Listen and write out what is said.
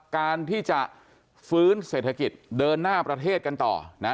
การที่จะฟื้นเศรษฐกิจเดินหน้าประเทศกันต่อนะ